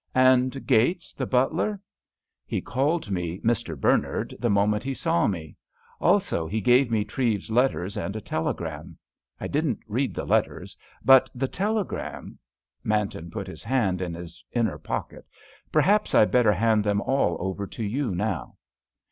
"And Gates, the butler?" "He called me 'Mr. Bernard' the moment he saw me. Also, he gave me Treves's letters and a telegram. I didn't read the letters, but the telegram——" Manton put his hand in his inner pocket. "Perhaps I'd better hand them all over to you now."